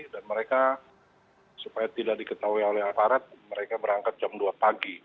dan mereka supaya tidak diketahui oleh aparat mereka berangkat jam dua pagi